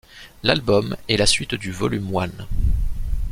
L'album est la suite du Volume One.